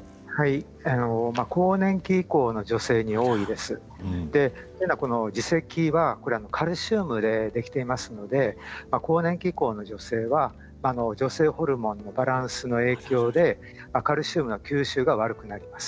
でというのはこの耳石はこれカルシウムで出来ていますので更年期以降の女性は女性ホルモンのバランスの影響でカルシウムの吸収が悪くなります。